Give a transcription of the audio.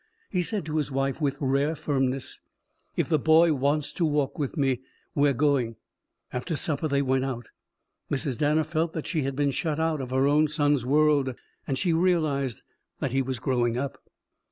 He said to his wife with rare firmness: "If the boy wants to walk with me, we're going." After supper they went out. Mrs. Danner felt that she had been shut out of her own son's world. And she realized that he was growing up.